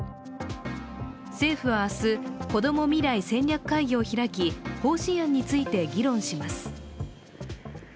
政府は明日、こども未来戦略会議を開き、方針案について議論します。